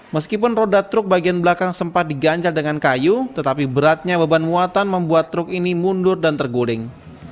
meskipun roda truk bagian belakang sempat diganjal dengan kayu tetapi beratnya beban muatan membuat truk ini mundur dan terguling